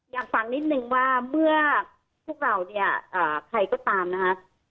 อยากฟังนิดนึงว่าเมื่อพวกเราเนี่ยใครก็ตามนะคะ